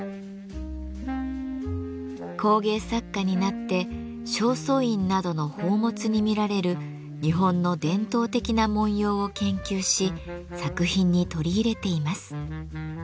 工芸作家になって正倉院などの宝物に見られる日本の伝統的な文様を研究し作品に取り入れています。